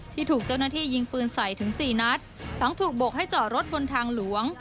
ที่ถูกเจ้าหน้าที่ยิงปืนใส่ถึงสี่นัดทั้งถูกบกให้จอดรถบนทางหลวง